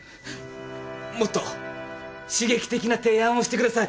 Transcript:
もっと刺激的な提案をしてください！